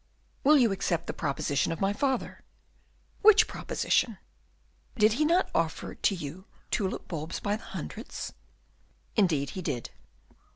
"Will you accept the proposition of my father?" "Which proposition?" "Did not he offer to you tulip bulbs by hundreds?" "Indeed he did."